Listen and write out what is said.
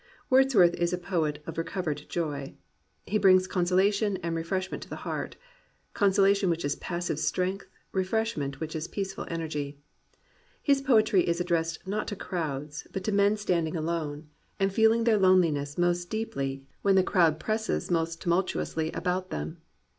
Wordsworth is a poet of recovered joy. He brings consolation and refreshment to the heart, — con solation which is passive strength, refreshment which is peaceful energy. His poetry is addressed not to crowds, but to men standing alone, and feel ing their loneliness most deeply when the crowd 235 COMPANIONABLE BOOKS presses most tumultuously about them.